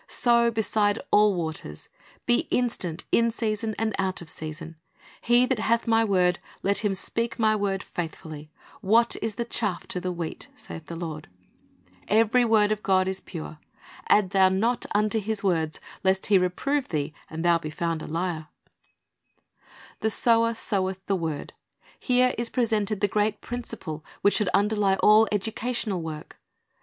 "Sow beside all waters." "Be instant in season, out of season." "He that hath My word, let him speak My word faithfully. What is the chaff 'Luke 24:32 2 John 14:3 *'The Sower Went Forth to Sozv'^ 41 to the whccrt ? saith the Lord." "Every word of God is pure. ... Add thou not unto His words, lest He reprove thee, and thou be found a har."^ "The sower soweth the word." Here is presented the great principle which should underlie all educational work.